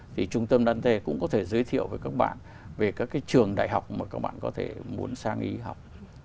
thì trung tâm đàn tê cũng có thể giới thiệu với các bạn về các cái trường đại học mà các bạn có thể muốn sang ý học